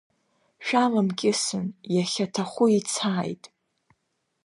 Шәаламкьысын, иахьаҭаху ицааит!